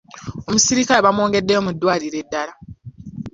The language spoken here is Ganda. Omusirikale bamwongeddeyo mu ddwaliro eddala.